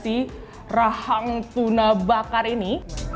saya adalah si rahang tuna bakar ini